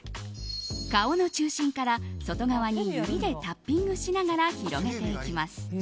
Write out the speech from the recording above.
顔の中心から外側に指でタッピングしながら広げていきます。